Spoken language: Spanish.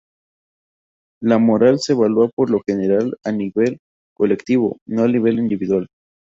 La moral se evalúa por lo general a nivel colectivo, no a nivel individual.